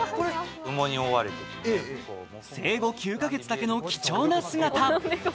生後９か月だけの貴重な姿。